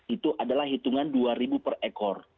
itu adalah hitungan dua ribu per ekor